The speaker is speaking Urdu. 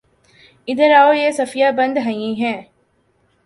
ادھر آؤ، یہ صفیہ بنت حیی ہیں